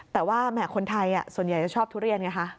แต่ว่าแหมคนไทยส่วนใหญ่จะชอบทุเรียนไงคะ